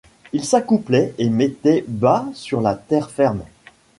Il s'accouplait et mettait bas sur la terre ferme.